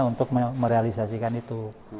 untuk merealisasikan itu